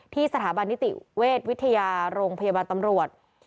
สถาบันนิติเวชวิทยาโรงพยาบาลตำรวจ